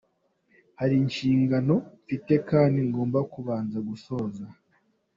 Hari inshingano mfite kandi ngomba kubanza gusohoza.